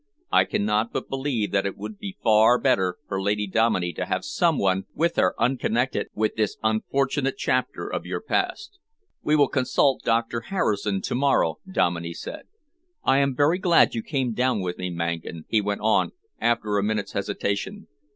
I cannot but believe that it would be far better for Lady Dominey to have some one with her unconnected with this unfortunate chapter of your past." "We will consult Doctor Harrison to morrow," Dominey said. "I am very glad you came down with me, Mangan," he went on, after a minute's hesitation.